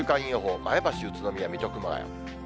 前橋、宇都宮、水戸、熊谷。